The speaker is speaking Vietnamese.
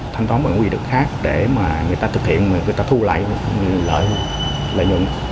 thanh toán bằng cái quỷ đất khác để mà người ta thực hiện người ta thu lại lợi nhuận